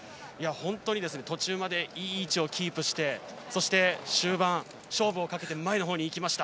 途中までいい位置をキープしてそして終盤、勝負をかけて前のほうに行きました。